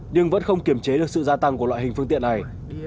nhưng vẫn không kiểm chế được sự gia tăng của loại hình phương tiện này